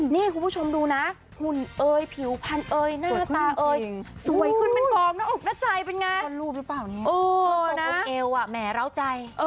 นี่คุณผู้ชมดูนะฝุ่นเอยผิวพันเอยหน้ากระตาเอย